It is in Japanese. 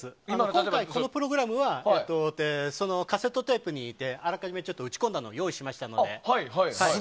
今回、そのプログラムはそのカセットテープにあらかじめ打ち込んだのを用意しましたので。